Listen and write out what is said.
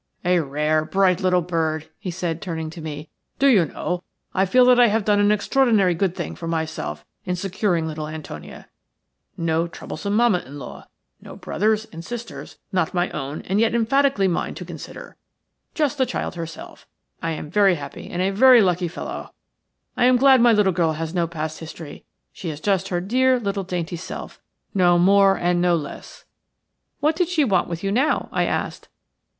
"A rare, bright little bird," he said, turning to me. "Do you know, I feel that I have done an extraordinarily good thing for myself in securing little Antonia. No troublesome mamma in law – no brothers and sisters, not my own and yet emphatically mine to consider – just the child herself. I am very happy and a very lucky fellow. I am glad my little girl has no past history. She is just her dear little, dainty self, no more and no less." "What did she want with you now?" I asked.